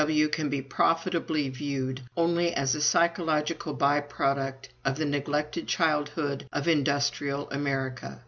W.W. can be profitably viewed only as a psychological by product of the neglected childhood of industrial America.